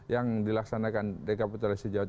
yang dilaksanakan dari kapitulasi jawa